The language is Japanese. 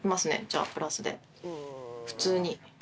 じゃあプラスで普通に。